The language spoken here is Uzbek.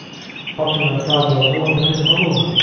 Xotini, tavba, bu odamga nima bo`ldi